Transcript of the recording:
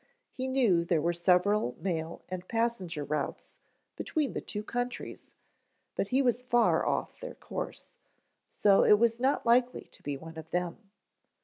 He knew there were several mail and passenger routes between the two countries but he was far off their course, so it was not likely to be one of them.